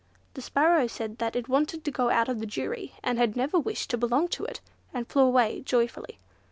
The Sparrow said that it wanted to go out of the jury, and had never wished to belong to it, and flew away joyfully.